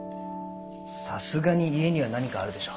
さすがに家には何かあるでしょ。